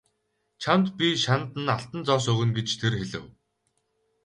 Чамд би шанд нь алтан зоос өгнө гэж тэр хэлэв.